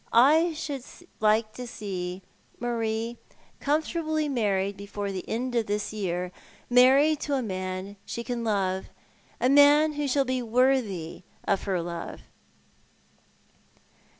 I should like to see Marie comfortably married before the end of this year : married to a man she can love, a man who shall be worthy of her love."